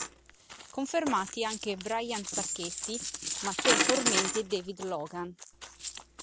Confermati anche Brian Sacchetti, Matteo Formenti e David Logan.